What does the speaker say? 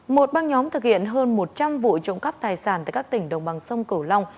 một băng nhóm thực hiện hơn một trăm linh vụ trộm cắp tài sản tại các tỉnh đồng bằng sông cửu long